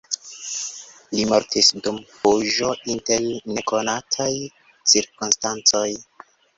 Li mortis dum fuĝo inter nekonataj cirkonstancoj.